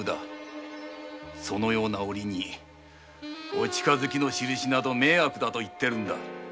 そのような時にお近づきのシルシは迷惑だと言っているのだ。